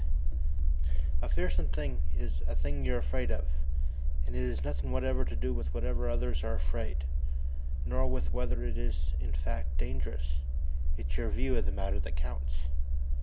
] _A fearsome thing is a thing you're afraid of and it has nothing whatever to do with whether others are afraid, nor with whether it is in fact dangerous. It's your view of the matter that counts!